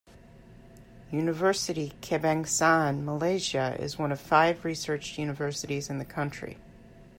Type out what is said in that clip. Universiti Kebangsaan Malaysia is one of five research universities in the country.